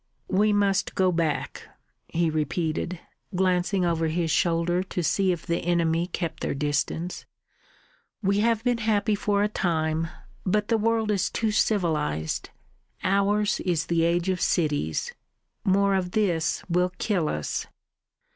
"We must go back," he repeated, glancing over his shoulder to see if the enemy kept their distance. "We have been happy for a time.... But the world is too civilised. Ours is the age of cities. More of this will kill us."